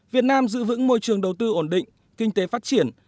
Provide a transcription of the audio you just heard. việt nam giữ vững môi trường đầu tư ổn định kinh tế phát triển